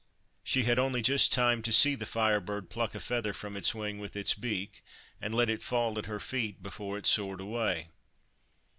She had only just time to see the Fire Bird pluck a feather from its wing with its beak, and let it fall at her feet, before it soared away.